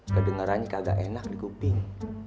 kedengerannya kagak enak dikubing